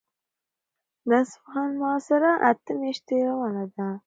د اصفهان محاصره اته میاشتې روانه وه.